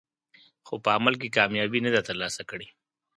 خو په عمل کې کامیابي نه ده ترلاسه کړې.